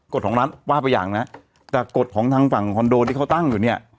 ของร้านว่าไปอย่างนะแต่กฎของทางฝั่งคอนโดที่เขาตั้งอยู่เนี่ย